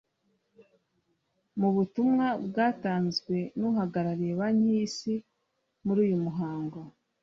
Mu butumwa bwatanzwe n’uhagarariye Banki y’Isi muri uyu muhango